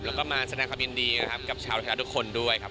แล้วก็มาแสดงความยินดีนะครับกับชาวไทยรัฐทุกคนด้วยครับ